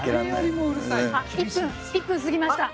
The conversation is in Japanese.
１分過ぎました。